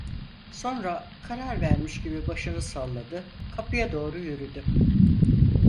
Sonra karar vermiş gibi başını salladı, kapıya doğru yürüdü.